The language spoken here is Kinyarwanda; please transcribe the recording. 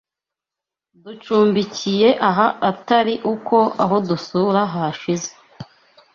Ducumbikiye aha atari uko aho dusura hashize